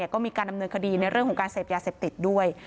ก็มีการดำเนินคดีในเรื่องของการเสพยาเสพติดด้วย